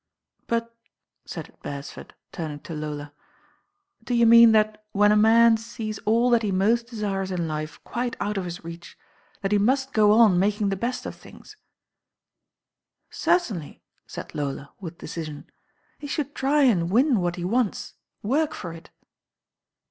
"But," said Beresford, turning to Lola, "do you mean that when a man sees all that he most desires in life quite out of his reach, that he must go on making the best of things?" tso THE RAIN 6IRL "Ceitilnly," itid Loli, with decision. "He •hould try and win what he wants, work for it."